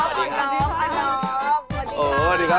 สวัสดีครับ